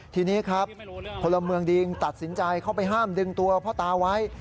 ทีนี้ครับพลเมืองดีตัดสินใจเข้าไปห้ามดึงตัวพ่อตาไว้